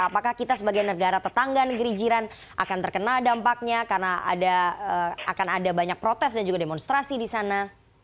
apakah kita sebagai negara tetangga negeri jiran akan terkena dampaknya karena akan ada banyak protes dan juga demonstrasi di sana